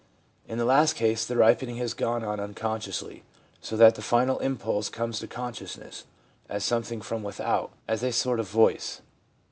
In the last case, the ripening has gone on unconsciously, so that the final impulse comes to consciousness as something from without, as a sort of voice.